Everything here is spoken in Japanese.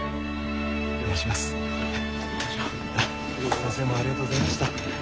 先生もありがとうございました。